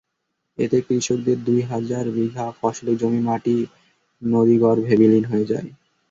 এতে কৃষকদের দুই হাজার বিঘা ফসলি জমির মাটি নদীগর্ভে বিলীন হয়ে গেছে।